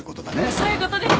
そういうことです。